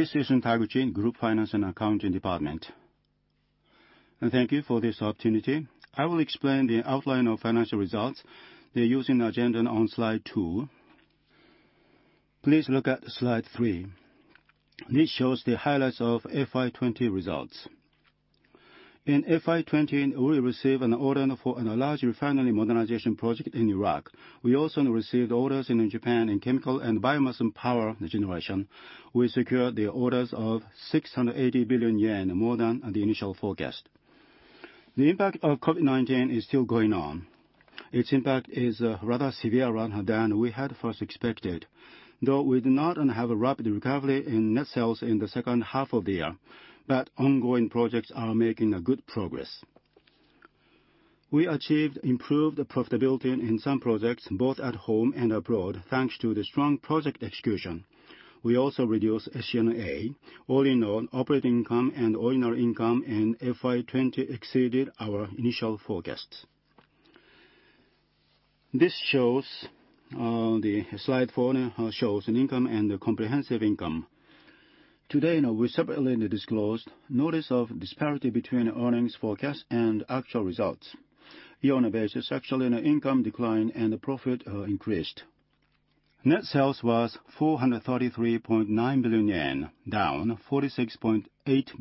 This is Taguchi, Group Finance and Accounting Department. Thank you for this opportunity. I will explain the outline of financial results using the agenda on slide two. Please look at slide three. This shows the highlights of FY 2020 results. In FY 2020, we received an order for a large refinery modernization project in Iraq. We also received orders in Japan in chemical and biomass power generation. We secured the orders of 683 billion yen, more than the initial forecast. The impact of COVID-19 is still going on. Its impact is rather severe than we had first expected. Though we do not have a rapid recovery in net sales in the second half of the year, but ongoing projects are making good progress. We achieved improved profitability in some projects, both at home and abroad, thanks to the strong project execution. We also reduced SG&A. All in all, operating income and ordinary income in FY 2020 exceeded our initial forecast. Slide four shows income and comprehensive income. Today, we separately disclosed notice of disparity between earnings forecast and actual results. Year-on-year basis, actually net income declined and the profit increased. Net sales was 433.9 billion yen, down 46.8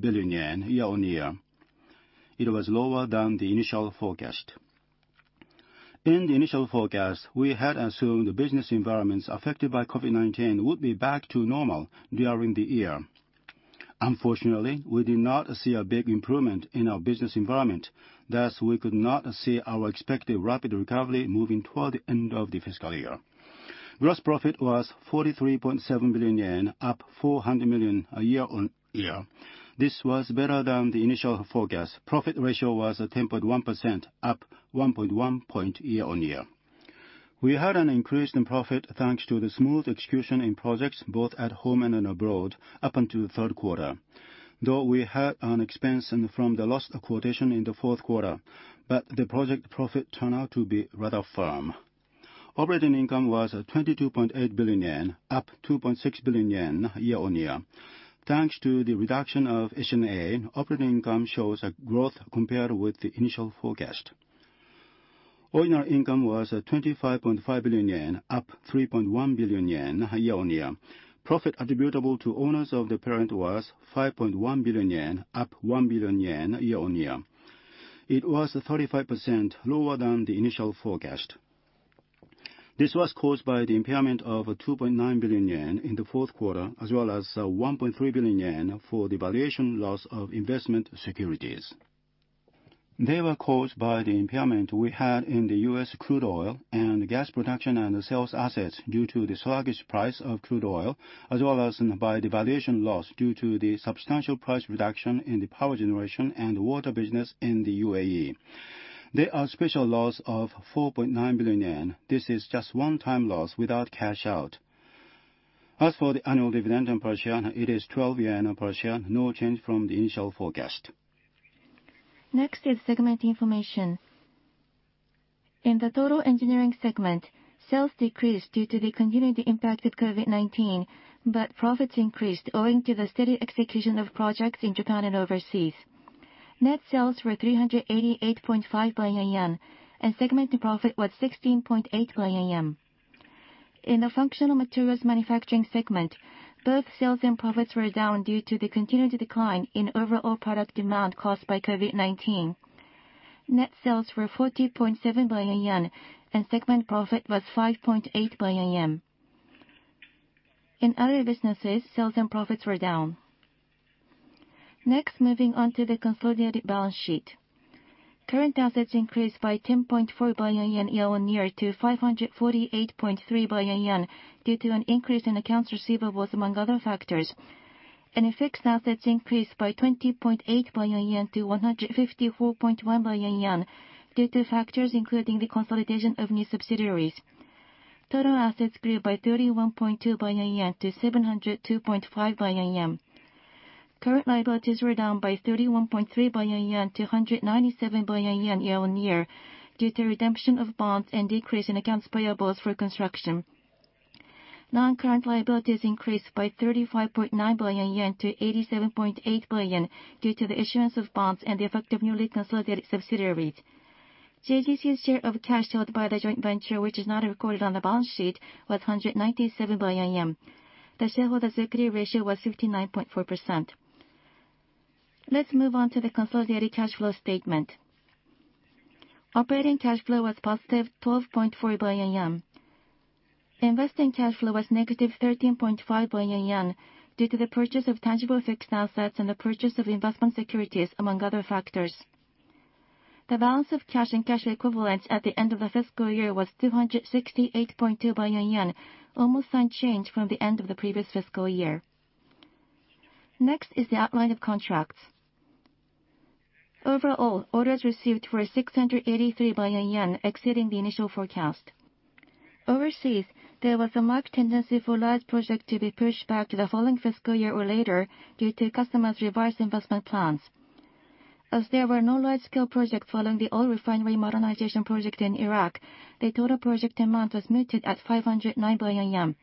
billion yen year-on-year. It was lower than the initial forecast. In the initial forecast, we had assumed the business environments affected by COVID-19 would be back to normal during the year. Unfortunately, we did not see a big improvement in our business environment. Thus, we could not see our expected rapid recovery moving toward the end of the fiscal year. Gross profit was 43.7 billion yen, up 400 million year-on-year. This was better than the initial forecast. Profit ratio was 10.1%, up 1.1 point year-on-year. We had an increase in profit thanks to the smooth execution in projects both at home and abroad up until the third quarter. We had an expense from the lost quotation in the fourth quarter, but the project profit turned out to be rather firm. Operating income was 22.8 billion yen, up 2.6 billion yen year-on-year. Thanks to the reduction of SG&A, operating income shows a growth compared with the initial forecast. Ordinary income was 25.5 billion yen, up 3.1 billion yen year-on-year. Profit attributable to owners of the parent was 5.1 billion yen, up 1 billion yen year-on-year. It was 35% lower than the initial forecast. This was caused by the impairment of 2.9 billion yen in the fourth quarter, as well as 1.3 billion yen for the valuation loss of investment securities. They were caused by the impairment we had in the U.S. crude oil and gas production and sales assets due to the sluggish price of crude oil, as well as by the valuation loss due to the substantial price reduction in the power generation and water business in the UAE. They are special loss of 4.9 billion yen. This is just one-time loss without cash out. As for the annual dividend per share, it is 12 yen per share, no change from the initial forecast. Next is segment information. In the Total Engineering segment, sales decreased due to the continued impact of COVID-19, but profits increased owing to the steady execution of projects in Japan and overseas. Net sales were 388.5 billion yen and segment profit was 16.8 billion yen. In the Functional Materials Manufacturing segment, both sales and profits were down due to the continued decline in overall product demand caused by COVID-19. Net sales were 40.7 billion yen and segment profit was 5.8 billion yen. In other businesses, sales and profits were down. Next, moving on to the consolidated balance sheet. Current assets increased by 10.4 billion yen year on year to 548.3 billion yen due to an increase in accounts receivables, among other factors. Fixed assets increased by 20.8 billion yen to 154.1 billion yen due to factors including the consolidation of new subsidiaries. Total assets grew by 31.2 billion yen to 702.5 billion yen. Current liabilities were down by 31.3 billion yen to 197 billion yen year-over-year due to redemption of bonds and decrease in accounts payables for construction. Non-current liabilities increased by 35.9 billion yen to 87.8 billion due to the issuance of bonds and the effect of newly consolidated subsidiaries. JGC's share of cash held by the joint venture, which is not recorded on the balance sheet, was 197 billion yen. The shareholder security ratio was 59.4%. Let's move on to the consolidated cash flow statement. Operating cash flow was positive 12.4 billion yen. Investing cash flow was negative 13.5 billion yen due to the purchase of tangible fixed assets and the purchase of investment securities, among other factors. The balance of cash and cash equivalents at the end of the fiscal year was 268.2 billion yen, almost unchanged from the end of the previous fiscal year. Next is the outline of contracts. Overall, orders received were 683 billion yen, exceeding the initial forecast. Overseas, there was a marked tendency for large projects to be pushed back to the following fiscal year or later due to customers' revised investment plans. As there were no large-scale projects following the oil refinery modernization project in Iraq, the total project amount was muted at 509 billion yen.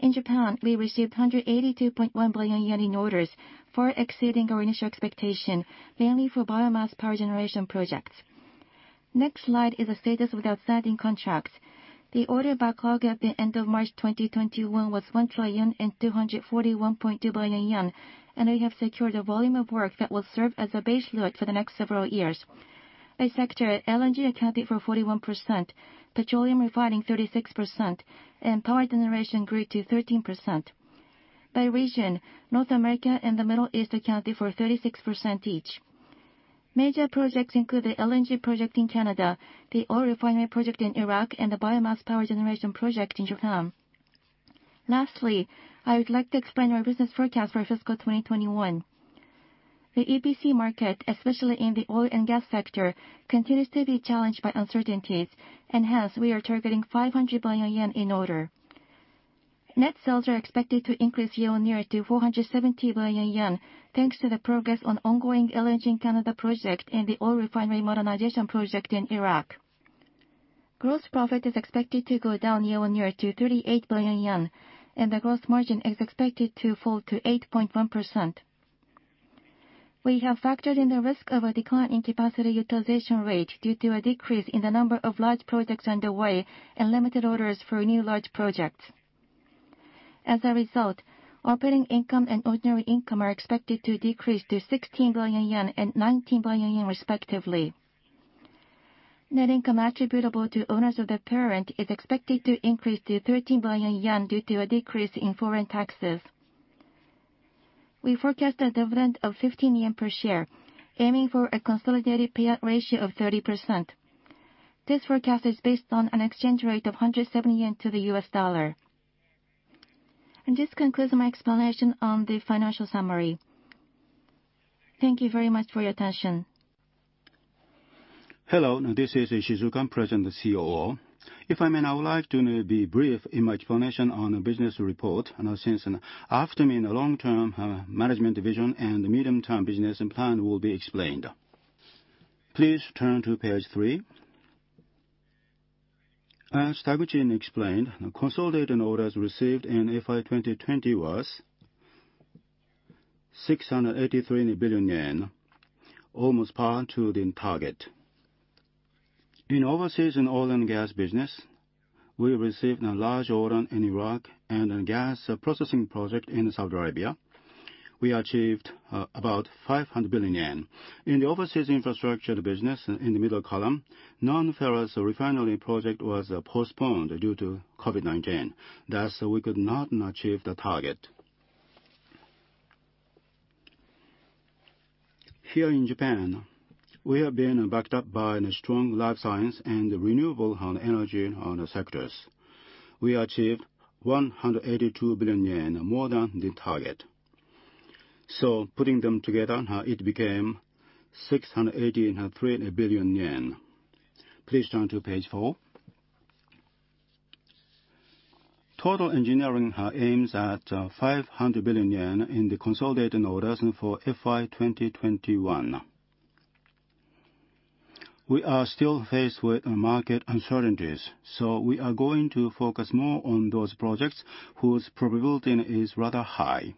In Japan, we received 182.1 billion yen in orders, far exceeding our initial expectation, mainly for biomass power generation projects. Next slide is the status of outstanding contracts. The order backlog at the end of March 2021 was 1,241.2 billion yen, we have secured a volume of work that will serve as a base load for the next several years. By sector, LNG accounted for 41%, petroleum refining 36%, and power generation grew to 13%. By region, North America and the Middle East accounted for 36% each. Major projects include the LNG project in Canada, the oil refinery project in Iraq, and the biomass power generation project in Japan. Lastly, I would like to explain our business forecast for fiscal 2021. The EPC market, especially in the oil and gas sector, continues to be challenged by uncertainties, and hence, we are targeting 500 billion yen in order. Net sales are expected to increase year-on-year to 470 billion yen, thanks to the progress on ongoing LNG Canada project and the oil refinery modernization project in Iraq. Gross profit is expected to go down year-on-year to 38 billion yen, and the gross margin is expected to fall to 8.1%. We have factored in the risk of a decline in capacity utilization rate due to a decrease in the number of large projects underway and limited orders for new large projects. As a result, operating income and ordinary income are expected to decrease to 16 billion yen and 19 billion yen respectively. Net income attributable to owners of the parent is expected to increase to 13 billion yen due to a decrease in foreign taxes. We forecast a dividend of 15 yen per share, aiming for a consolidated payout ratio of 30%. This forecast is based on an exchange rate of 170 yen to the U.S. dollar. This concludes my explanation on the financial summary. Thank you very much for your attention. Hello, this is Ishizuka, President and COO. If I may, I would like to be brief in my explanation on the business report, since after me, the long-term management vision and the medium-term business plan will be explained. Please turn to page three. As Taguchi explained, consolidated orders received in FY 2020 was 683 billion yen, almost par to the target. In overseas oil and gas business, we received a large order in Iraq and a gas processing project in Saudi Arabia. We achieved about 500 billion yen. In the overseas infrastructure business in the middle column, non-ferrous refinery project was postponed due to COVID-19. Thus, we could not achieve the target. Here in Japan, we have been backed up by strong life science and renewable energy sectors. We achieved 182 billion yen, more than the target. Putting them together, it became 683 billion yen. Please turn to page four. Total engineering aims at 500 billion yen in the consolidated orders for FY 2021. We are still faced with market uncertainties. We are going to focus more on those projects whose probability is rather high.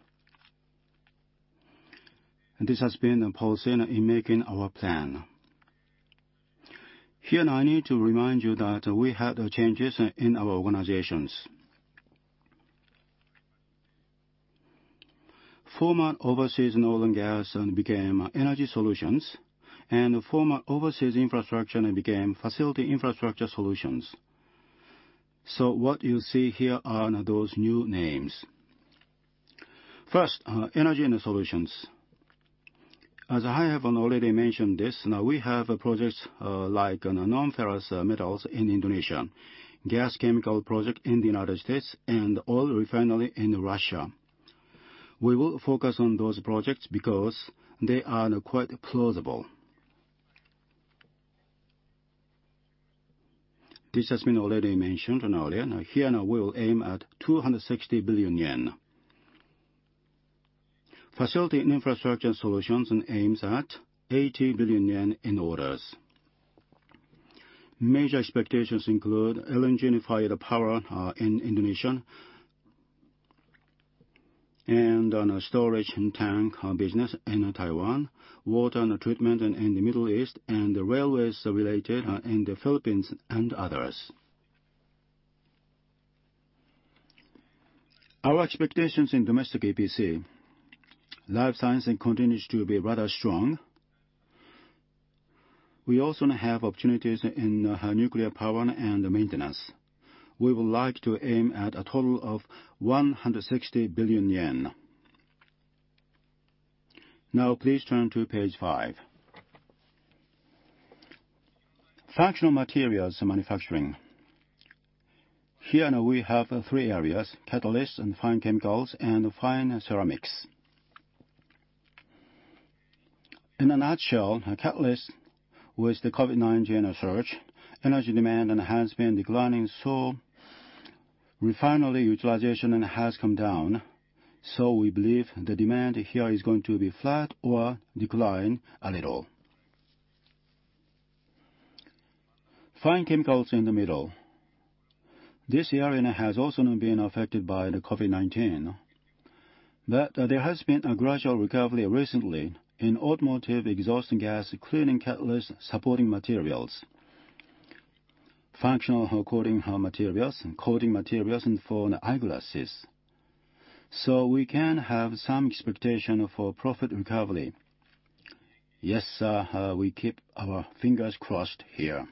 This has been the policy in making our plan. Here, I need to remind you that we had changes in our organizations. Former overseas oil and gas became Energy Solutions. Former overseas infrastructure became Facility Infrastructure Solutions. What you see here are those new names. First, Energy Solutions. As I have already mentioned this, we have projects like non-ferrous metals in Indonesia, gas chemical project in the U.S., oil refinery in Russia. We will focus on those projects because they are quite plausible. This has been already mentioned earlier. Here, we will aim at 260 billion yen. Facility Infrastructure Solutions aims at 80 billion yen in orders. Major expectations include LNG-fired power in Indonesia and storage tank business in Taiwan, water treatment in the Middle East, and railways related in the Philippines and others. Our expectations in domestic EPC. Life science continues to be rather strong. We also have opportunities in nuclear power and maintenance. We would like to aim at a total of 160 billion yen. Now please turn to page five. Functional materials manufacturing. Here we have three areas, catalysts and fine chemicals, and fine ceramics. In a nutshell, catalyst, with the COVID-19 surge, energy demand has been declining, so Refinery utilization has come down, so we believe the demand here is going to be flat or decline a little. Fine chemicals in the middle. This area has also been affected by the COVID-19, but there has been a gradual recovery recently in automotive exhaust gas cleaning catalyst supporting materials, functional coating materials, and coating materials for eyeglasses. We can have some expectation for profit recovery. Yes, sir, we keep our fingers crossed here.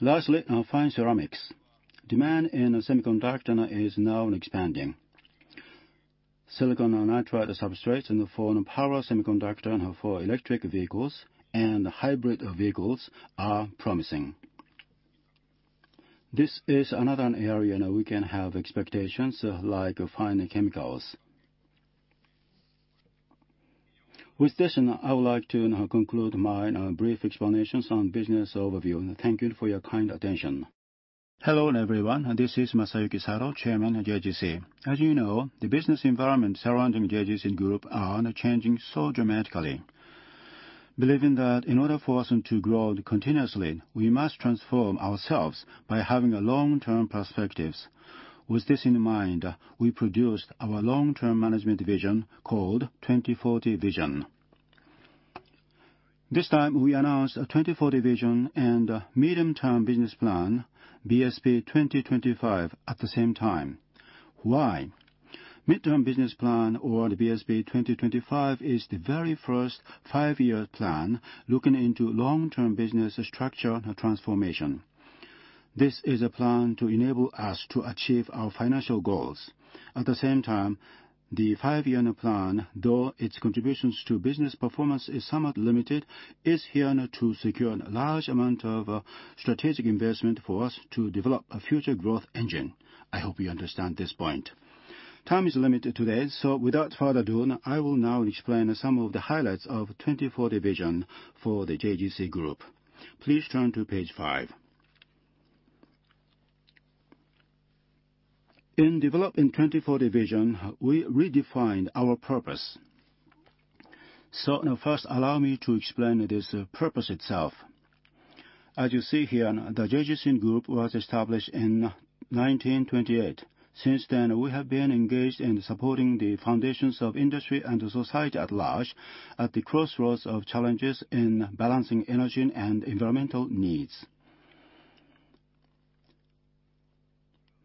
Lastly, fine ceramics. Demand in semiconductor is now expanding. Silicon nitride substrates for power semiconductor for electric vehicles and hybrid vehicles are promising. This is another area we can have expectations, like fine chemicals. With this, I would like to conclude my brief explanations on business overview. Thank you for your kind attention. Hello, everyone. This is Masayuki Sato, Chairman of JGC. As you know, the business environment surrounding JGC Group are changing so dramatically. Believing that in order for us to grow continuously, we must transform ourselves by having long-term perspectives. With this in mind, we produced our long-term management vision called 2040 Vision. This time we announced a 2040 Vision and Medium-Term Business Plan, BSP 2025, at the same time. Why? Medium-Term Business Plan or the BSP 2025 is the very first five-year plan looking into long-term business structure transformation. This is a plan to enable us to achieve our financial goals. At the same time, the five-year plan, though its contributions to business performance is somewhat limited, is here to secure a large amount of strategic investment for us to develop a future growth engine. I hope you understand this point. Time is limited today. Without further ado, I will now explain some of the highlights of 2040 Vision for the JGC Group. Please turn to page five. In developing 2040 Vision, we redefined our purpose. Now first, allow me to explain this purpose itself. As you see here, the JGC Group was established in 1928. Since then, we have been engaged in supporting the foundations of industry and society at large at the crossroads of challenges in balancing energy and environmental needs.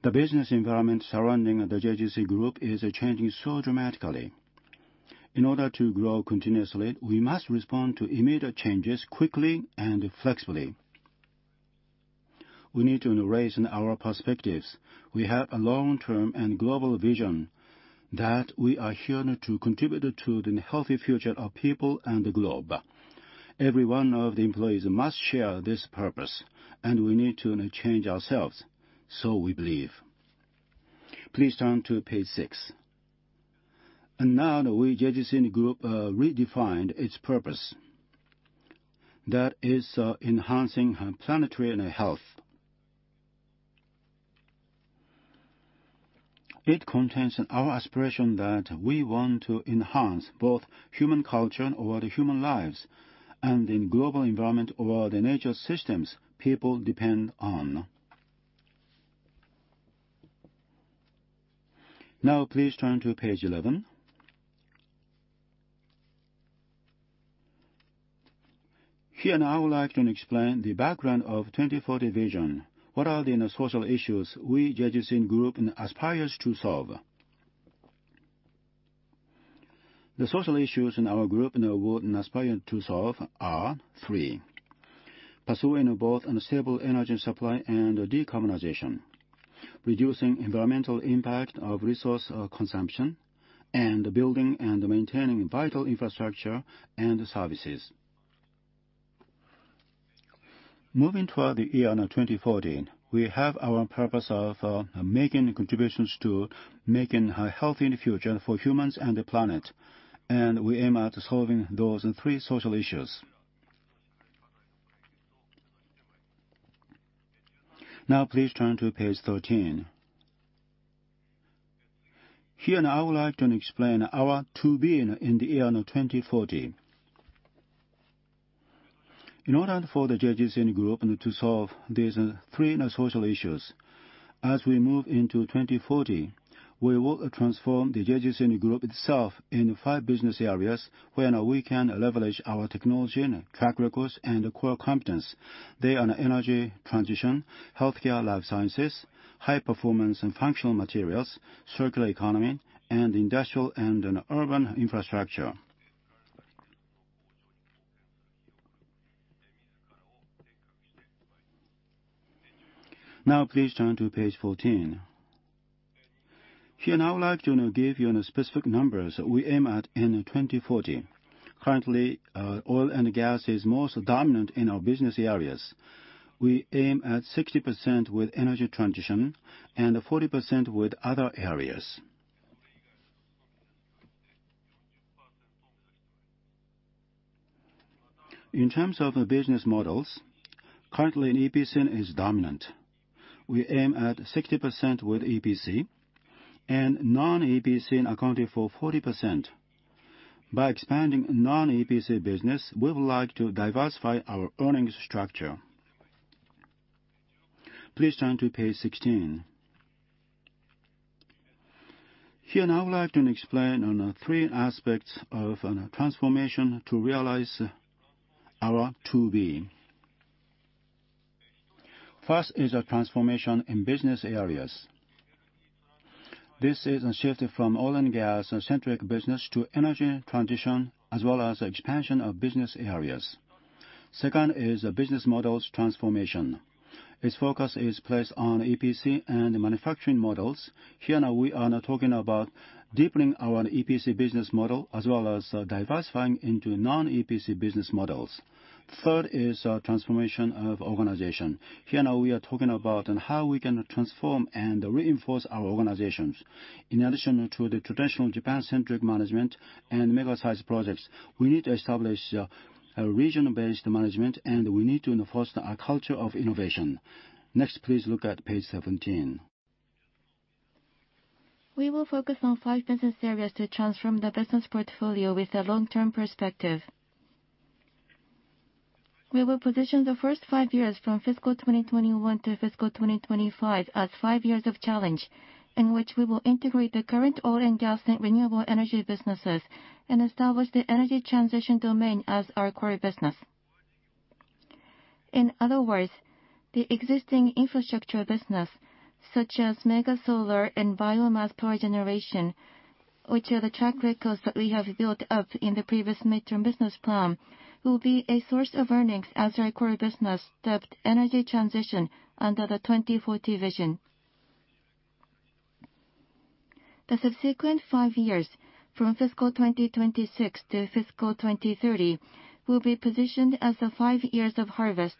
The business environment surrounding the JGC Group is changing so dramatically. In order to grow continuously, we must respond to immediate changes quickly and flexibly. We need to raise our perspectives. We have a long-term and global vision that we are here to contribute to the healthy future of people and the globe. Every one of the employees must share this purpose, and we need to change ourselves, so we believe. Please turn to page six. Now we, JGC Group, redefined its purpose. That is Enhancing planetary health. It contains our aspiration that we want to enhance both human culture or the human lives and the global environment or the nature systems people depend on. Now please turn to page 11. Here now I would like to explain the background of 2040 Vision. What are the social issues we, JGC Group, aspires to solve? The social issues in our group we aspire to solve are three: pursuing both a stable energy supply and decarbonization, reducing environmental impact of resource consumption, and building and maintaining vital infrastructure and services. Moving toward the year 2040, we have our purpose of making contributions to making a healthy future for humans and the planet, and we aim at solving those three social issues. Now please turn to page 13. Here now I would like to explain our to-being in the year 2040. In order for the JGC Group to solve these three social issues, as we move into 2040, we will transform the JGC Group itself in five business areas where we can leverage our technology, track records, and core competence. They are energy transition, healthcare life sciences, high performance and functional materials, circular economy, and industrial and urban infrastructure. Please turn to page 14. Here I would like to give you specific numbers we aim at in 2040. Currently, oil and gas is most dominant in our business areas. We aim at 60% with energy transition and 40% with other areas. In terms of the business models, currently EPC is dominant. We aim at 60% with EPC, and non-EPC accounting for 40%. By expanding non-EPC business, we would like to diversify our earnings structure. Please turn to page 16. Here now I would like to explain on the three aspects of transformation to realize our To Be. First is a transformation in business areas. This is a shift from oil and gas centric business to energy transition, as well as expansion of business areas. Second is business models transformation. Its focus is placed on EPC and manufacturing models. Here now we are talking about deepening our EPC business model, as well as diversifying into non-EPC business models. Third is transformation of organization. Here now we are talking about how we can transform and reinforce our organizations. In addition to the traditional Japan-centric management and mega-size projects, we need to establish a regional-based management, and we need to enforce our culture of innovation. Next, please look at page 17. We will focus on five business areas to transform the business portfolio with a long-term perspective. We will position the first five years from fiscal 2021 to fiscal 2025 as five years of challenge, in which we will integrate the current oil and gas and renewable energy businesses and establish the energy transition domain as our core business. In other words, the existing infrastructure business, such as mega solar and biomass power generation, which are the track records that we have built up in the previous medium-term business plan, will be a source of earnings as our core business with energy transition under the 2040 Vision. The subsequent five years, from fiscal 2026 to fiscal 2030, will be positioned as the five years of harvest,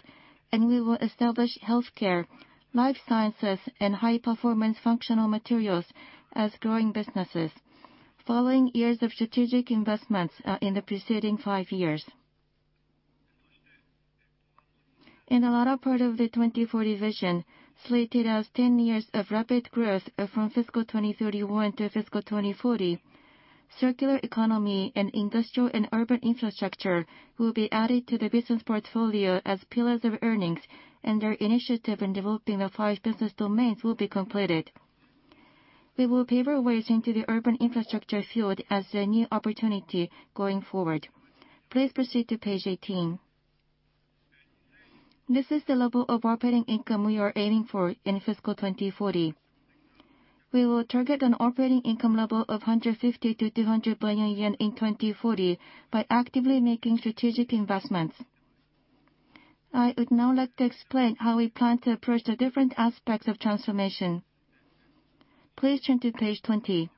and we will establish healthcare, life sciences, and high-performance functional materials as growing businesses following years of strategic investments in the preceding five years. In the latter part of the 2040 Vision, slated as 10 years of rapid growth from fiscal 2031 to fiscal 2040, circular economy in industrial and urban infrastructure will be added to the business portfolio as pillars of earnings, and our initiative in developing the five business domains will be completed. We will pave our ways into the urban infrastructure field as a new opportunity going forward. Please proceed to page 18. This is the level of operating income we are aiming for in fiscal 2040. We will target an operating income level of 150 billion-200 billion yen in 2040 by actively making strategic investments. I would now like to explain how we plan to approach the different aspects of transformation. Please turn to page 20.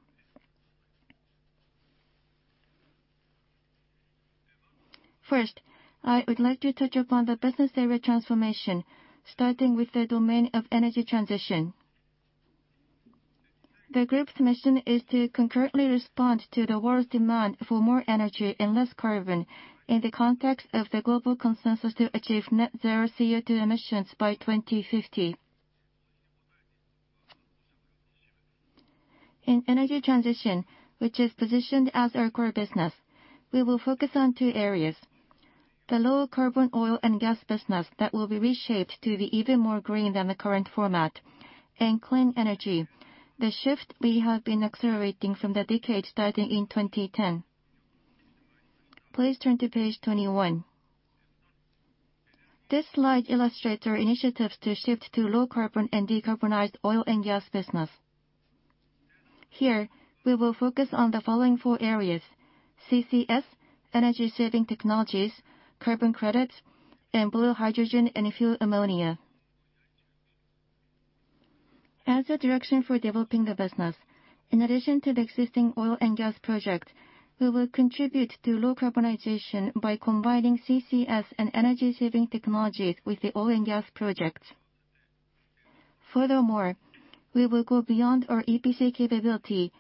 First, I would like to touch upon the business area transformation, starting with the domain of energy transition. The group's mission is to concurrently respond to the world's demand for more energy and less carbon, in the context of the global consensus to achieve net zero CO2 emissions by 2050. In energy transition, which is positioned as our core business, we will focus on two areas. The low carbon oil and gas business that will be reshaped to be even more green than the current format, and clean energy, the shift we have been accelerating from the decade starting in 2010. Please turn to page 21. This slide illustrates our initiatives to shift to low carbon and decarbonized oil and gas business. Here, we will focus on the following four areas, CCS, energy-saving technologies, carbon credits, and blue hydrogen and fuel ammonia. As a direction for developing the business, in addition to the existing oil and gas project, we will contribute to low carbonization by combining CCS and energy-saving technologies with the oil and gas projects. Furthermore, we will go beyond our EPC capability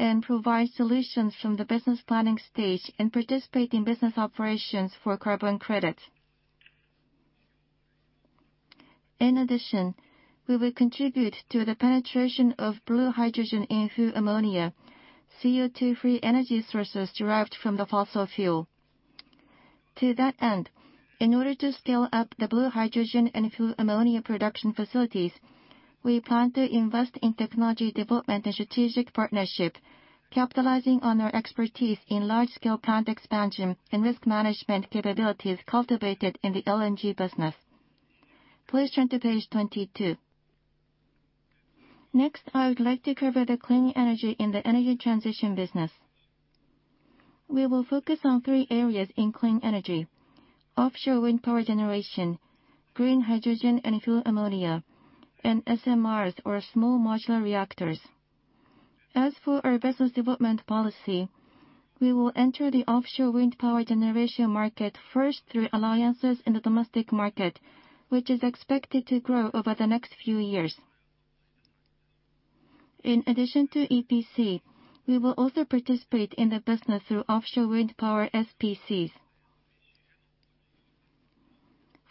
and provide solutions from the business planning stage and participate in business operations for carbon credits. In addition, we will contribute to the penetration of blue hydrogen and fuel ammonia, CO2 free energy sources derived from the fossil fuel. In order to scale up the blue hydrogen and fuel ammonia production facilities, we plan to invest in technology development and strategic partnership, capitalizing on our expertise in large-scale plant expansion and risk management capabilities cultivated in the LNG business. Please turn to page 22. Next, I would like to cover the clean energy in the energy transition business. We will focus on three areas in clean energy: offshore wind power generation, green hydrogen and fuel ammonia, and SMRs or Small Modular Reactors. As for our business development policy, we will enter the offshore wind power generation market first through alliances in the domestic market, which is expected to grow over the next few years. In addition to EPC, we will also participate in the business through offshore wind power SPCs.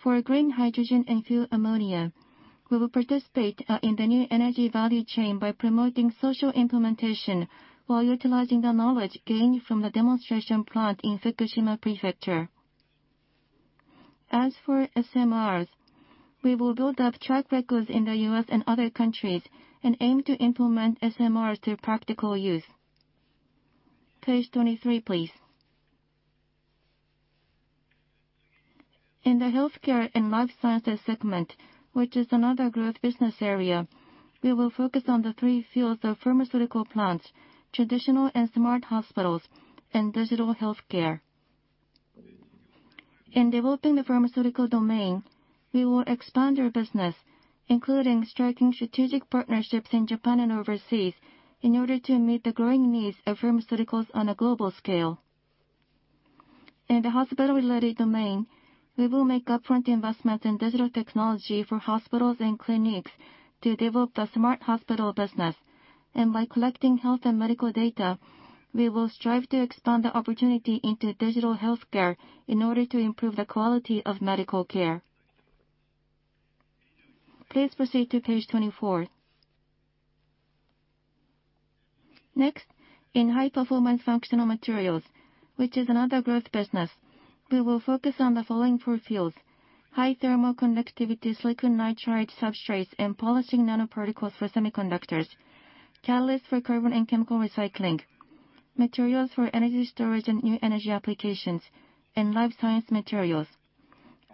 For green hydrogen and fuel ammonia, we will participate in the new energy value chain by promoting social implementation while utilizing the knowledge gained from the demonstration plant in Fukushima Prefecture. As for SMRs, we will build up track records in the U.S. and other countries and aim to implement SMRs through practical use. Page 23, please. In the healthcare and life sciences segment, which is another growth business area, we will focus on the three fields of pharmaceutical plants, traditional and smart hospitals, and digital healthcare. In developing the pharmaceutical domain, we will expand our business, including striking strategic partnerships in Japan and overseas, in order to meet the growing needs of pharmaceuticals on a global scale. In the hospital-related domain, we will make upfront investments in digital technology for hospitals and clinics to develop the smart hospital business. By collecting health and medical data, we will strive to expand the opportunity into digital healthcare in order to improve the quality of medical care. Please proceed to page 24. Next, in high-performance functional materials, which is another growth business, we will focus on the following four fields, high thermal conductivity silicon nitride substrates and polishing nanoparticles for semiconductors, catalyst for carbon and chemical recycling, materials for energy storage and new energy applications, and life science materials.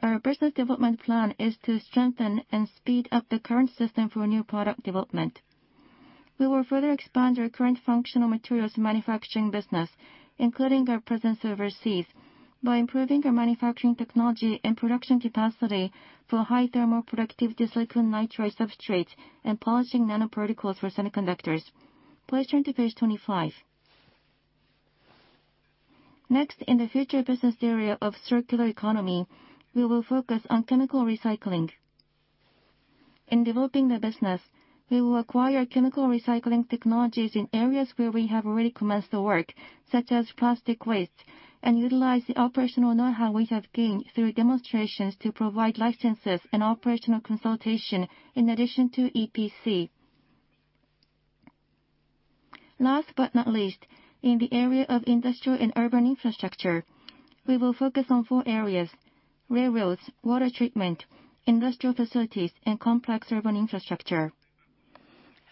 Our business development plan is to strengthen and speed up the current system for new product development. We will further expand our current functional materials manufacturing business, including our presence overseas, by improving our manufacturing technology and production capacity for high thermal conductivity silicon nitride substrates and polishing nanoparticles for semiconductors. Please turn to page 25. Next, in the future business area of circular economy, we will focus on chemical recycling. In developing the business, we will acquire chemical recycling technologies in areas where we have already commenced the work, such as plastic waste, and utilize the operational know-how we have gained through demonstrations to provide licenses and operational consultation in addition to EPC. Last but not least, in the area of industrial and urban infrastructure, we will focus on four areas: railroads, water treatment, industrial facilities, and complex urban infrastructure.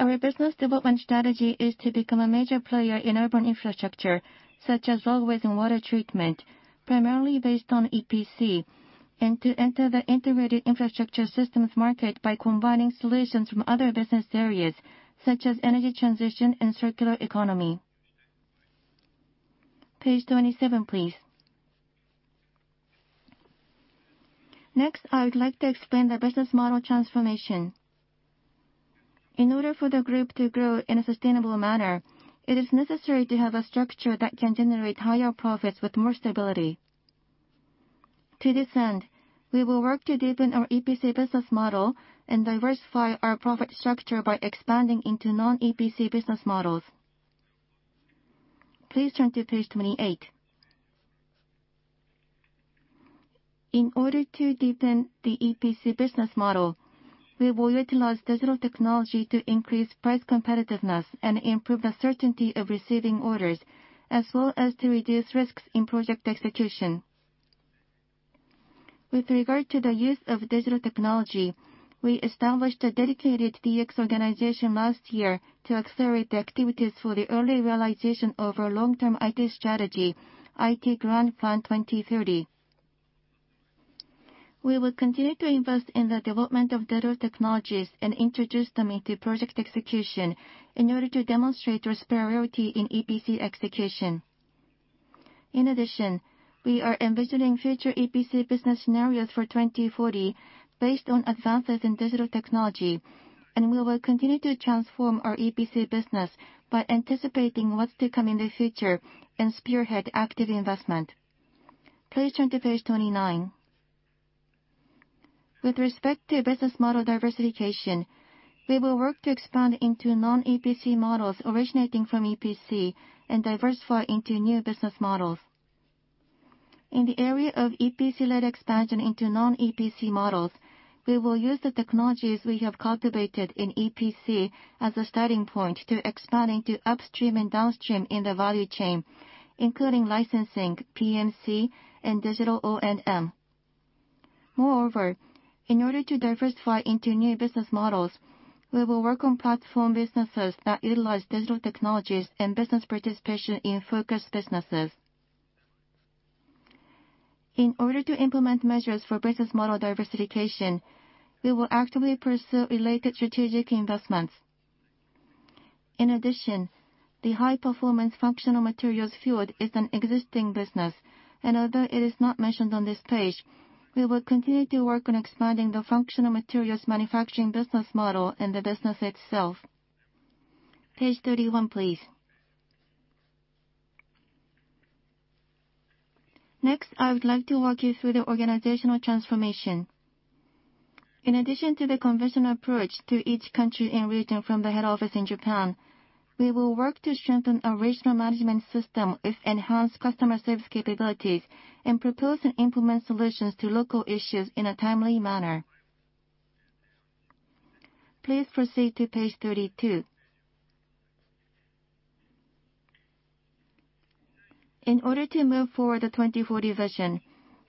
Our business development strategy is to become a major player in urban infrastructure, such as roadways and water treatment, primarily based on EPC, and to enter the integrated infrastructure systems market by combining solutions from other business areas, such as energy transition and circular economy. Page 27, please. I would like to explain the business model transformation. In order for the group to grow in a sustainable manner, it is necessary to have a structure that can generate higher profits with more stability. To this end, we will work to deepen our EPC business model and diversify our profit structure by expanding into non-EPC business models. Please turn to page 28. In order to deepen the EPC business model, we will utilize digital technology to increase price competitiveness and improve the certainty of receiving orders, as well as to reduce risks in project execution. With regard to the use of digital technology, we established a dedicated DX organization last year to accelerate the activities for the early realization of our long-term IT strategy, IT Grand Plan 2030. We will continue to invest in the development of digital technologies and introduce them into project execution in order to demonstrate their superiority in EPC execution. In addition, we are envisioning future EPC business scenarios for 2040 based on advances in digital technology, and we will continue to transform our EPC business by anticipating what's to come in the future and spearhead active investment. Please turn to page 29. With respect to business model diversification, we will work to expand into non-EPC models originating from EPC and diversify into new business models. In the area of EPC-led expansion into non-EPC models, we will use the technologies we have cultivated in EPC as a starting point to expanding to upstream and downstream in the value chain, including licensing, PMC, and digital O&M. Moreover, in order to diversify into new business models, we will work on platform businesses that utilize digital technologies and business participation in focus businesses. In order to implement measures for business model diversification, we will actively pursue related strategic investments. The high-performance functional materials field is an existing business, and although it is not mentioned on this page, we will continue to work on expanding the functional materials manufacturing business model and the business itself. page 31, please. I would like to walk you through the organizational transformation. To the conventional approach to each country and region from the head office in Japan, we will work to strengthen our regional management system with enhanced customer service capabilities, and propose and implement solutions to local issues in a timely manner. Please proceed to page 32. To move forward the 2040 Vision,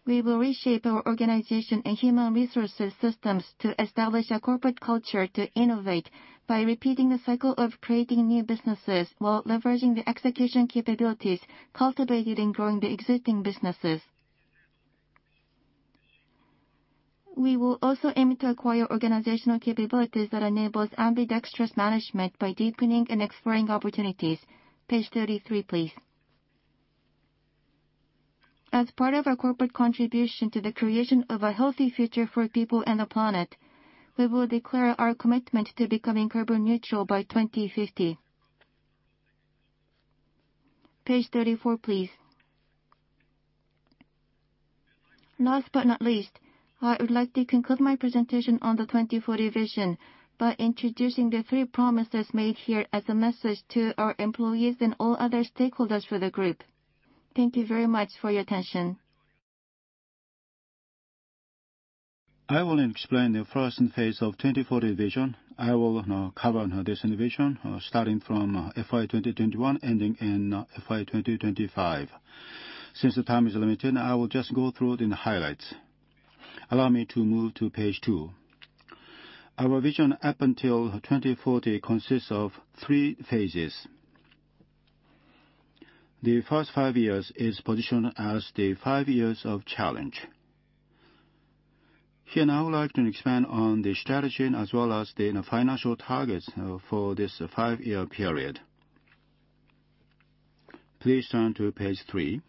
we will reshape our organization and human resources systems to establish a corporate culture to innovate by repeating the cycle of creating new businesses while leveraging the execution capabilities cultivated in growing the existing businesses. We will also aim to acquire organizational capabilities that enables ambidextrous management by deepening and exploring opportunities. Page 33, please. As part of our corporate contribution to the creation of a healthy future for people and the planet, we will declare our commitment to becoming carbon neutral by 2050. Page 34, please. Last but not least, I would like to conclude my presentation on the 2040 Vision by introducing the three promises made here as a message to our employees and all other stakeholders for the Group. Thank you very much for your attention. I will explain the first phase of 2040 Vision. I will now cover this Vision, starting from FY 2021, ending in FY 2025. Since the time is limited, I will just go through the highlights. Allow me to move to page two. Our Vision up until 2040 consists of three phases. The first five years is positioned as the five years of challenge. Here now, I would like to expand on the strategy as well as the financial targets for this five-year period. Please turn to page three.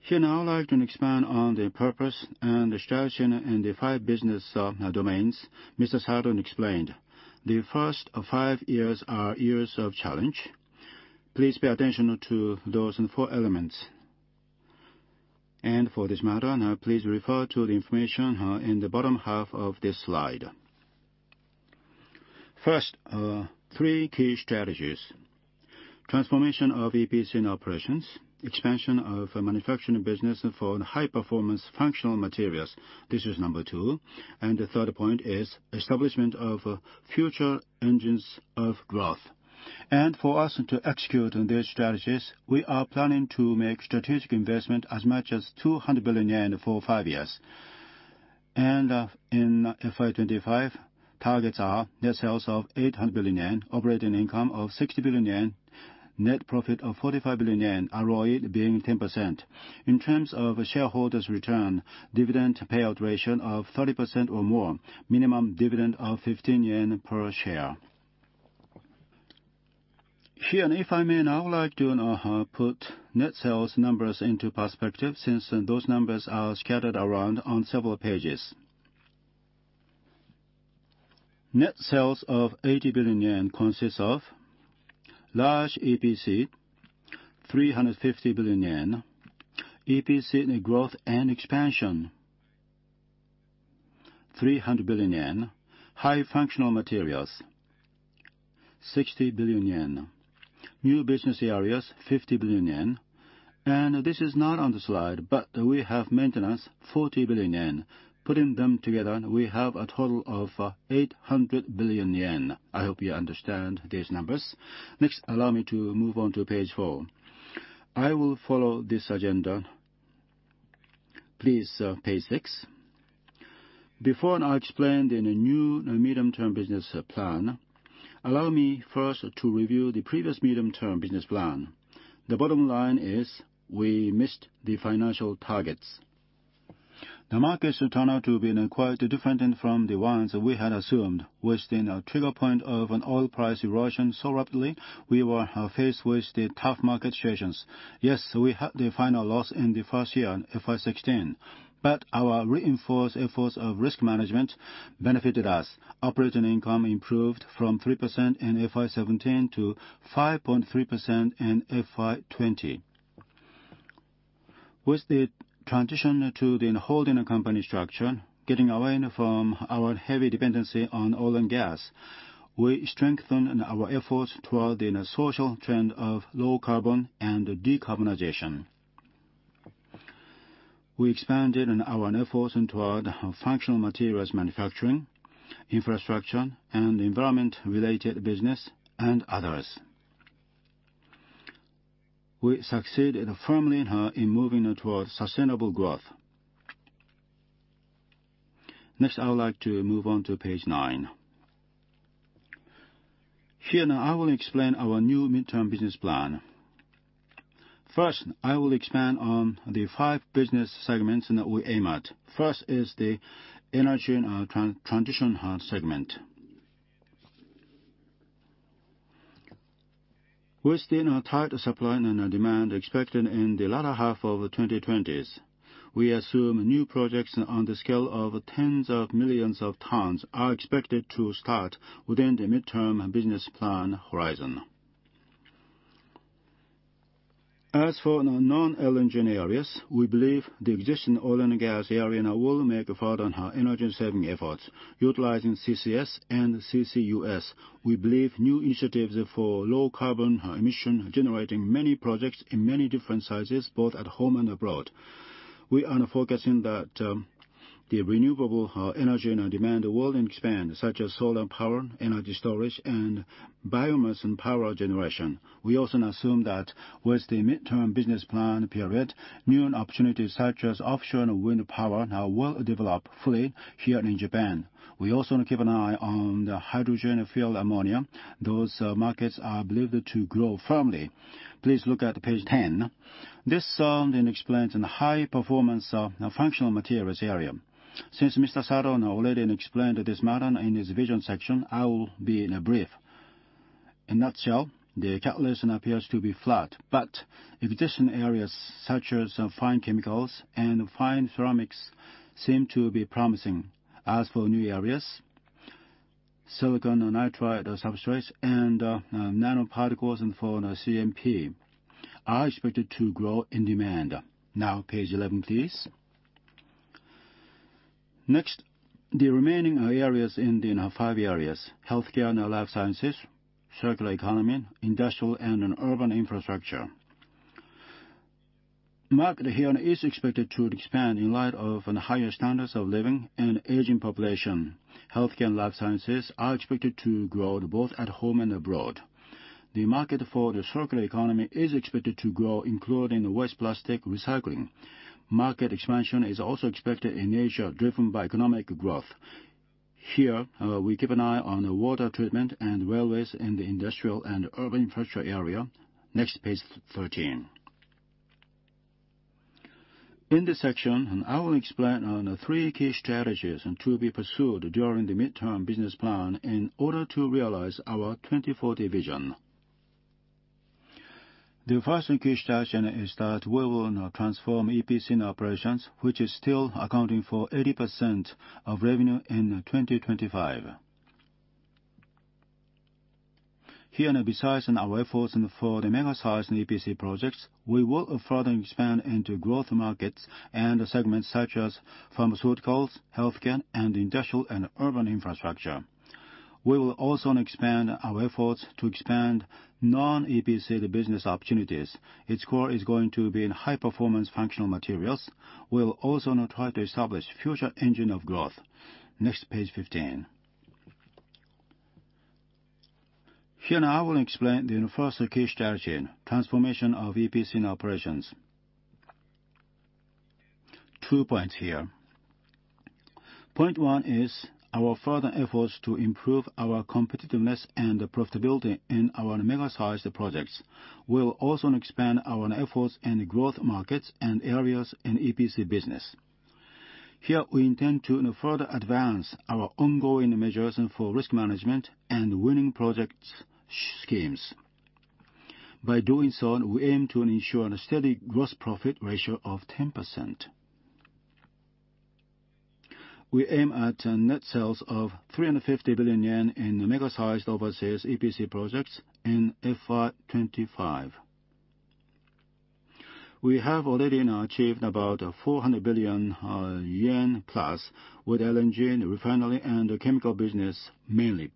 Here now, I would like to expand on the purpose and the strategy in the five business domains Mr. Sato explained. The first five years are years of challenge. Please pay attention to those four elements. For this matter, now please refer to the information in the bottom half of this slide. First, three key strategies. Transformation of EPC operations, expansion of manufacturing business for high-performance functional materials. This is number two. The third point is establishment of future engines of growth. For us to execute on these strategies, we are planning to make strategic investment as much as 200 billion yen for five years. In FY 2025, targets are net sales of 800 billion yen, operating income of 60 billion yen, net profit of 45 billion yen, ROE being 10%. In terms of shareholders' return, dividend payout ratio of 30% or more, minimum dividend of 15 yen per share. Here, if I may now, I would like to put net sales numbers into perspective since those numbers are scattered around on several pages. Net sales of 80 billion yen consists of large EPC, 350 billion yen, EPC growth and expansion, 300 billion yen, high functional materials, 60 billion yen. New business areas, 50 billion yen. This is not on the slide, but we have maintenance, 40 billion yen. Putting them together, we have a total of 800 billion yen. I hope you understand these numbers. Allow me to move on to page four. I will follow this agenda. Please, page six. Before I explain the new medium-term business plan, allow me first to review the previous medium-term business plan. The bottom line is we missed the financial targets. The markets turned out to be quite different from the ones we had assumed, with the trigger point of an oil price erosion so rapidly, we were faced with the tough market situations. Yes, we had the final loss in the first year, FY 2016. Our reinforced efforts of risk management benefited us. Operating income improved from 3% in FY 2017 to 5.3% in FY 2020. With the transition to the holding company structure, getting away from our heavy dependency on oil and gas, we strengthened our efforts toward the social trend of low carbon and decarbonization. We expanded our efforts toward functional materials manufacturing, infrastructure, and environment-related business and others. We succeeded firmly in moving towards sustainable growth. Next, I would like to move on to page nine. Here now, I will explain our new mid-term business plan. First, I will expand on the five business segments that we aim at. First is the energy transition segment. With the tight supply and demand expected in the latter half of the 2020s, we assume new projects on the scale of tens of millions of tons are expected to start within the mid-term business plan horizon. As for non-LNG areas, we believe the existing oil and gas area will make further energy-saving efforts utilizing CCS and CCUS. We believe new initiatives for low carbon emission, generating many projects in many different sizes, both at home and abroad. We are focusing that the renewable energy demand will expand, such as solar power, energy storage, and biomass power generation. We also assume that with the midterm business plan period, new opportunities such as offshore wind power now will develop fully here in Japan. We also want to keep an eye on the hydrogen, fuel ammonia. Those markets are believed to grow firmly. Please look at page 10. This slide explains high-performance functional materials area. Since Mr. Sato already explained this matter in his vision section, I will be brief. In a nutshell, the catalyst appears to be flat, but existing areas such as fine chemicals and fine ceramics seem to be promising. As for new areas, silicon nitride substrates and nanoparticles for CMP are expected to grow in demand. Page 11, please. The remaining areas in the five areas, healthcare and life sciences, circular economy, industrial and urban infrastructure. Market here is expected to expand in light of higher standards of living and aging population. Healthcare and life sciences are expected to grow both at home and abroad. The market for the circular economy is expected to grow, including waste plastic recycling. Market expansion is also expected in Asia, driven by economic growth. Here, we keep an eye on water treatment and railways in the industrial and urban infrastructure area. Next, page 13. In this section, I will explain on three key strategies to be pursued during the mid-term business plan in order to realize our 2040 Vision. The first key strategy is that we will now transform EPC operations, which is still accounting for 80% of revenue in 2025. Here, besides our efforts for the mega-sized EPC projects, we will further expand into growth markets and segments such as pharmaceuticals, healthcare, and industrial and urban infrastructure. We will also expand our efforts to expand non-EPC business opportunities. Its core is going to be in high-performance functional materials. We'll also now try to establish future engine of growth. Next, page 15. Here now I will explain the first key strategy, transformation of EPC operations. Two points here. Point one is our further efforts to improve our competitiveness and profitability in our mega-sized projects. We'll also now expand our efforts in growth markets and areas in EPC business. Here, we intend to further advance our ongoing measures for risk management and winning project schemes. By doing so, we aim to ensure a steady gross profit ratio of 10%. We aim at net sales of 350 billion yen in mega-sized overseas EPC projects in FY 2025. We have already now achieved about 400 billion yen plus with LNG and refinery and chemical business mainly.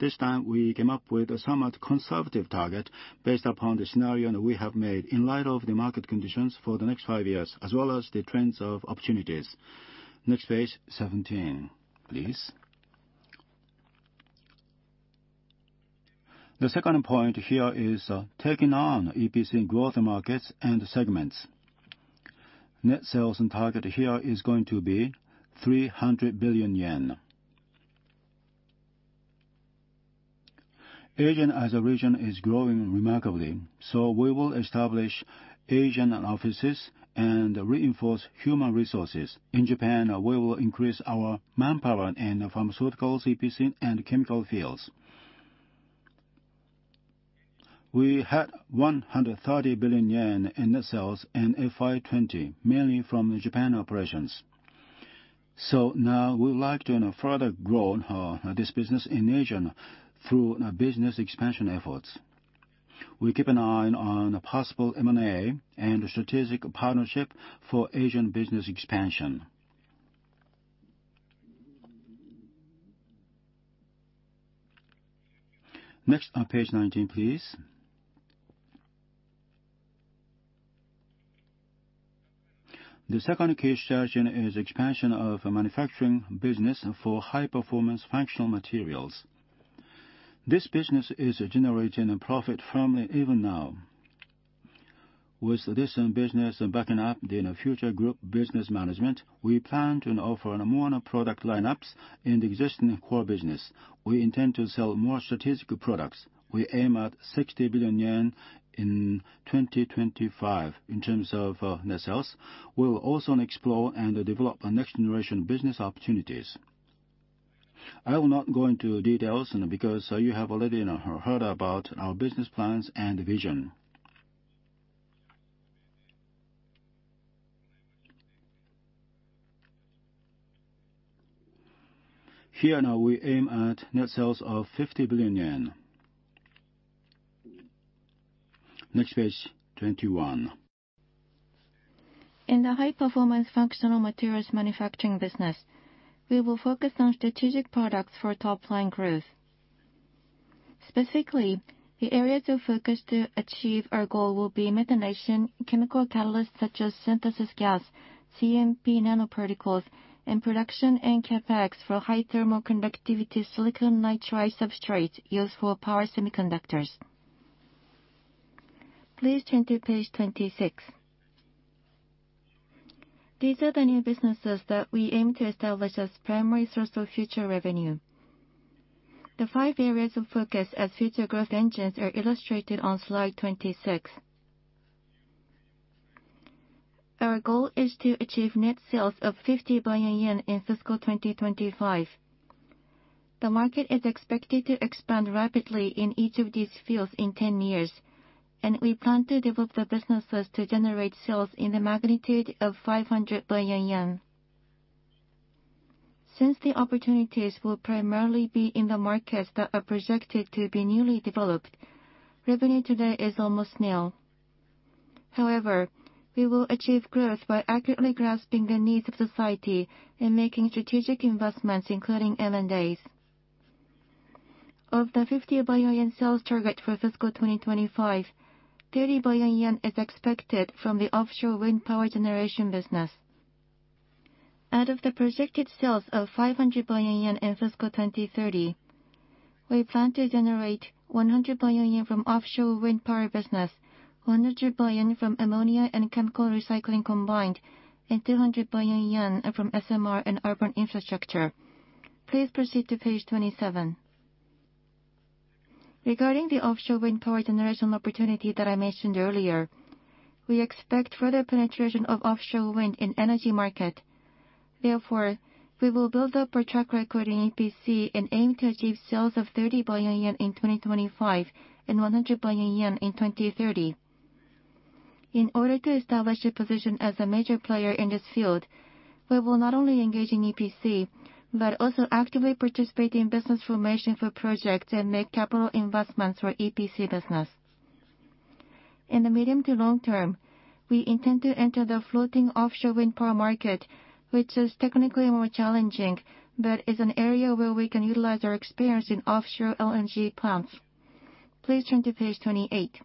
This time we came up with a somewhat conservative target based upon the scenario that we have made in light of the market conditions for the next five years, as well as the trends of opportunities. Next page, 17, please. The second point here is taking on EPC growth markets and segments. Net sales target here is going to be 300 billion yen. Asia as a region is growing remarkably, we will establish Asian offices and reinforce human resources. In Japan, we will increase our manpower in pharmaceuticals, EPC, and chemical fields. We had 130 billion yen in net sales in FY 2020, mainly from the Japan operations. Now we would like to further grow this business in Asia through business expansion efforts. We keep an eye on possible M&A and strategic partnership for Asian business expansion. Next, page 19, please. The second key strategy is expansion of manufacturing business for high-performance functional materials. This business is generating a profit firmly even now. With this business backing up the future Group business management, we plan to offer more product lineups in the existing core business. We intend to sell more strategic products. We aim at 60 billion yen in 2025 in terms of net sales. We'll also now explore and develop next-generation business opportunities. I will not go into details because you have already now heard about our business plans and vision. Here now we aim at net sales of 50 billion yen. Next page, 21. In the high-performance functional materials manufacturing business, we will focus on strategic products for top-line growth. Specifically, the areas of focus to achieve our goal will be methanation, chemical catalysts such as synthesis gas, CMP nanoparticles, and production and CapEx for high thermal conductivity silicon nitride substrates used for power semiconductors. Please turn to page 26. These are the new businesses that we aim to establish as primary source of future revenue. The five areas of focus as future growth engines are illustrated on slide 26. Our goal is to achieve net sales of 50 billion yen in FY 2025. The market is expected to expand rapidly in each of these fields in 10 years, and we plan to develop the businesses to generate sales in the magnitude of 500 billion yen. Since the opportunities will primarily be in the markets that are projected to be newly developed, revenue today is almost nil. However, we will achieve growth by accurately grasping the needs of society and making strategic investments, including M&As. Of the 50 billion yen sales target for FY 2025, 30 billion yen is expected from the offshore wind power generation business. Out of the projected sales of 500 billion yen in FY 2030, we plan to generate 100 billion yen from offshore wind power business, 100 billion from ammonia and chemical recycling combined, and 200 billion yen from SMR and urban infrastructure. Please proceed to page 27. Regarding the offshore wind power generation opportunity that I mentioned earlier, we expect further penetration of offshore wind in energy market. Therefore, we will build up our track record in EPC and aim to achieve sales of 30 billion yen in 2025 and 100 billion yen in 2030. In order to establish a position as a major player in this field, we will not only engage in EPC, but also actively participate in business formation for projects and make capital investments for EPC business. In the medium to long term, we intend to enter the floating offshore wind power market, which is technically more challenging, but is an area where we can utilize our experience in offshore LNG plants. Please turn to page 28.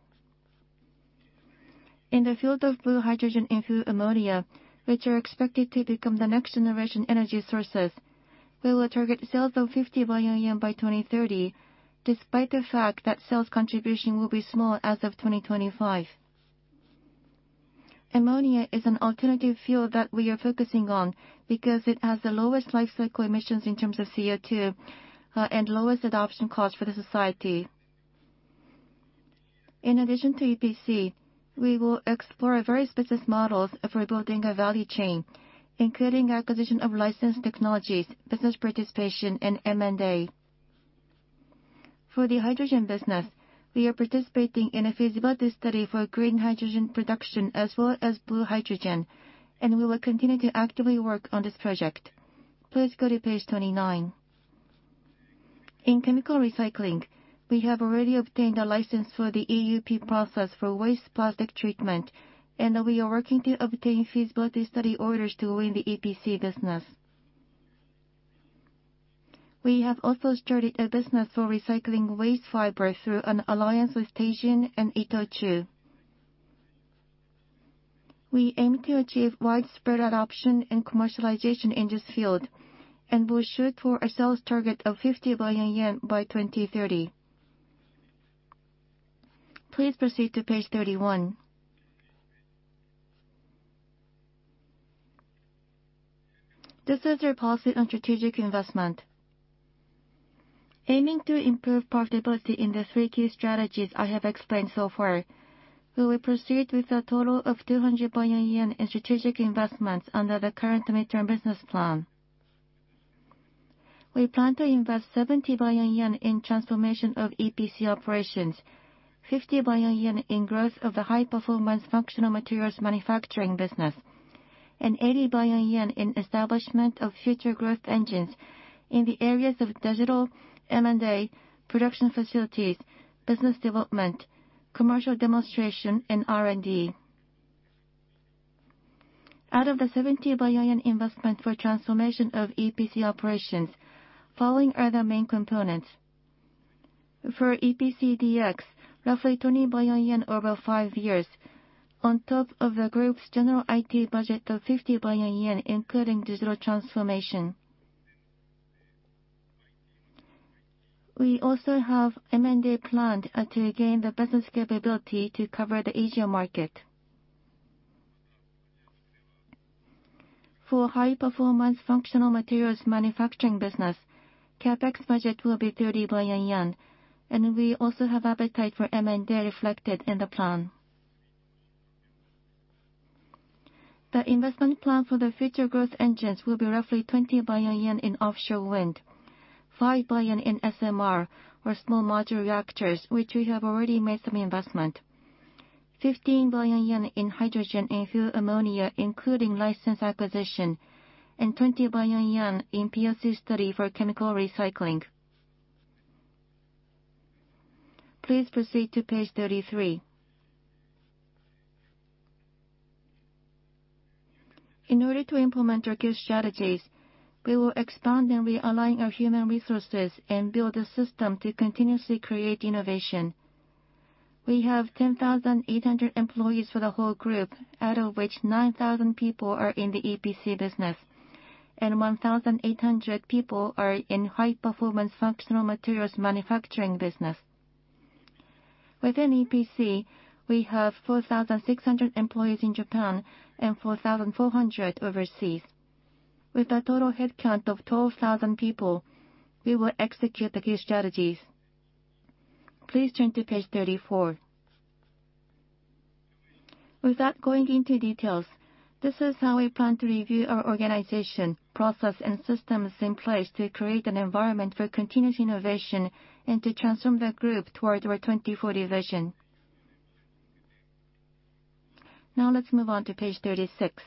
In the field of blue hydrogen and blue ammonia, which are expected to become the next generation energy sources, we will target sales of 50 billion yen by 2030, despite the fact that sales contribution will be small as of 2025. Ammonia is an alternative fuel that we are focusing on, because it has the lowest lifecycle emissions in terms of CO2, and lowest adoption cost for the society. In addition to EPC, we will explore various business models for building a value chain, including acquisition of licensed technologies, business participation in M&A. For the hydrogen business, we are participating in a feasibility study for green hydrogen production as well as blue hydrogen, and we will continue to actively work on this project. Please go to page 29. In chemical recycling, we have already obtained a license for the EUP process for waste plastic treatment, and we are working to obtain feasibility study orders to win the EPC business. We have also started a business for recycling waste fiber through an alliance with Teijin and Itochu. We aim to achieve widespread adoption and commercialization in this field, and will shoot for a sales target of 50 billion yen by 2030. Please proceed to page 31. This is our policy on strategic investment. Aiming to improve profitability in the three key strategies I have explained so far, we will proceed with a total of 200 billion yen in strategic investments under the current medium-term business plan. We plan to invest 70 billion yen in transformation of EPC operations, 50 billion yen in growth of the high-performance functional materials manufacturing business, and 80 billion yen in establishment of future growth engines in the areas of digital M&A, production facilities, business development, commercial demonstration, and R&D. Out of the 70 billion investment for transformation of EPC operations, following are the main components. For EPC DX, roughly 20 billion yen over five years, on top of the group's general IT budget of 50 billion yen, including digital transformation. We also have M&A planned to gain the business capability to cover the Asian market. For high-performance functional materials manufacturing business, CapEx budget will be 30 billion yen, and we also have appetite for M&A reflected in the plan. The investment plan for the future growth engines will be roughly 20 billion yen in offshore wind, 5 billion in SMR, or small modular reactors, which we have already made some investment, 15 billion yen in hydrogen and fuel ammonia, including license acquisition, and 20 billion yen in POC study for chemical recycling. Please proceed to page 33. In order to implement our key strategies, we will expand and realign our human resources and build a system to continuously create innovation. We have 10,800 employees for the whole group, out of which 9,000 people are in the EPC business, and 1,800 people are in high-performance functional materials manufacturing business. Within EPC, we have 4,600 employees in Japan and 4,400 overseas. With a total headcount of 12,000 people, we will execute the key strategies. Please turn to page 34. Without going into details, this is how we plan to review our organization, process, and systems in place to create an environment for continuous innovation and to transform the group toward our 2040 Vision. Now let's move on to page 36.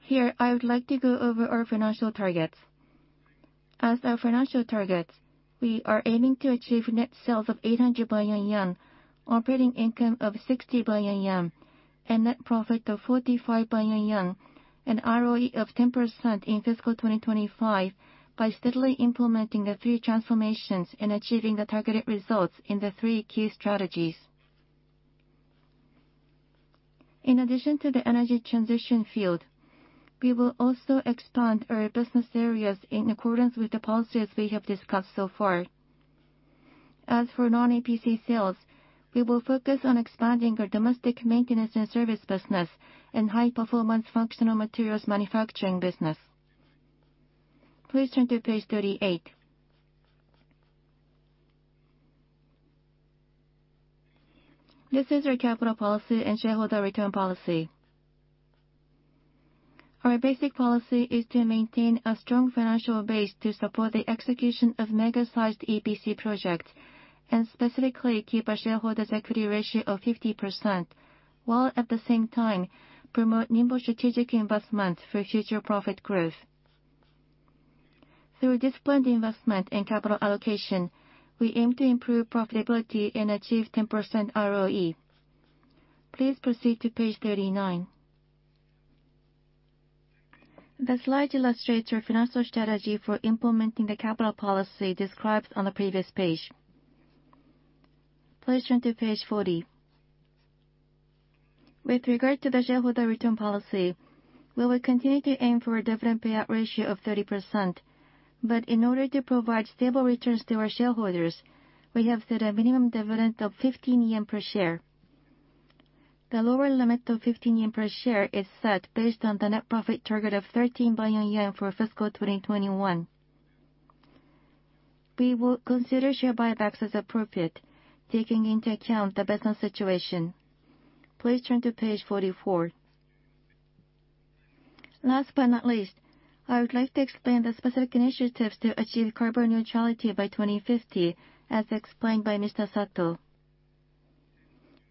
Here, I would like to go over our financial targets. As our financial targets, we are aiming to achieve net sales of 800 billion yen, operating income of 60 billion yen, and net profit of 45 billion yen, an ROE of 10% in FY 2025 by steadily implementing the three transformations and achieving the targeted results in the three key strategies. In addition to the energy transition field, we will also expand our business areas in accordance with the policies we have discussed so far. As for non-EPC sales, we will focus on expanding our domestic maintenance and service business and high-performance functional materials manufacturing business. Please turn to page 38. This is our capital policy and shareholder return policy. Our basic policy is to maintain a strong financial base to support the execution of mega-sized EPC projects, and specifically keep our shareholders' equity ratio of 50%, while at the same time promote nimble strategic investments for future profit growth. Through disciplined investment and capital allocation, we aim to improve profitability and achieve 10% ROE. Please proceed to page 39. The slide illustrates our financial strategy for implementing the capital policy described on the previous page. Please turn to page 40. With regard to the shareholder return policy, we will continue to aim for a dividend payout ratio of 30%, but in order to provide stable returns to our shareholders, we have set a minimum dividend of 15 yen per share. The lower limit of 15 yen per share is set based on the net profit target of 13 billion yen for FY 2021. We will consider share buybacks as appropriate, taking into account the business situation. Please turn to page 44. Last but not least, I would like to explain the specific initiatives to achieve carbon neutrality by 2050, as explained by Mr. Sato.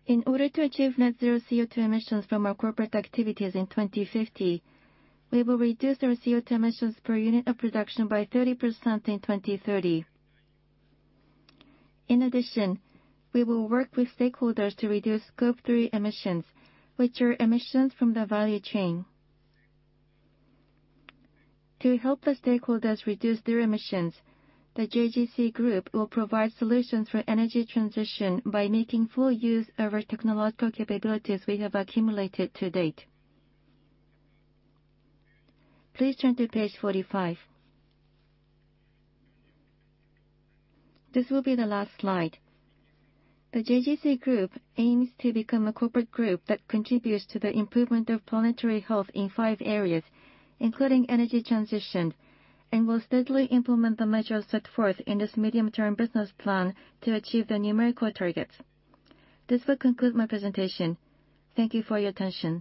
In order to achieve net zero CO2 emissions from our corporate activities in 2050, we will reduce our CO2 emissions per unit of production by 30% in 2030. We will work with stakeholders to reduce Scope 3 emissions, which are emissions from the value chain. To help the stakeholders reduce their emissions, the JGC Group will provide solutions for energy transition by making full use of our technological capabilities we have accumulated to date. Please turn to page 45. This will be the last slide. The JGC Group aims to become a corporate group that contributes to the improvement of Planetary Health in five areas, including energy transition, and will steadily implement the measures set forth in this medium-term business plan to achieve the numerical targets. This will conclude my presentation. Thank you for your attention.